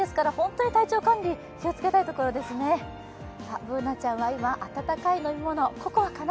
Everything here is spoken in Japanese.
Ｂｏｏｎａちゃんは今、温かい飲み物、ココアかな。